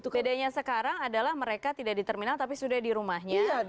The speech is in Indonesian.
bedanya sekarang adalah mereka tidak di terminal tapi sudah di rumahnya